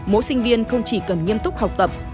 mỗi sinh viên không chỉ cần nghiêm túc học tập